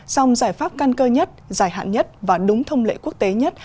song giải pháp căn cơ nhất dài hạn nhất và đúng thông lệ quốc tế nhất